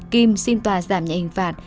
kim xin tòa giảm nhạy hình phạt